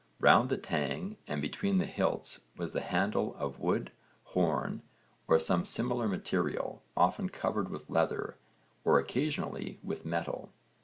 Round the tang and between the hilts was the handle of wood, horn, or some similar material, often covered with leather, or occasionally with metal.